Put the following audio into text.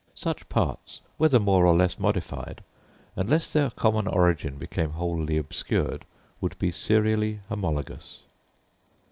Such parts, whether more or less modified, unless their common origin became wholly obscured, would be serially homologous.